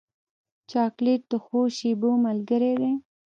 چاکلېټ د ښو شېبو ملګری دی.